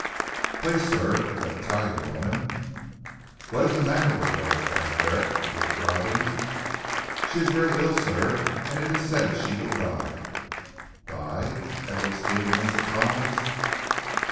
"Please sir, that Italian woman " "What's the matter with her?" asked Herrick who was driving. "She is very ill sir, and it is said she will die." "Die!" echoed Stephen in surprise.